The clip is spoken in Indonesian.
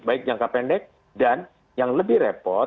baik jangka pendek dan yang lebih repot